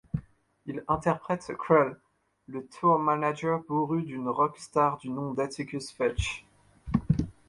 Il interprète 'Krull', le tour manager bourru d'une rock star du nom d'Atticus Fetch.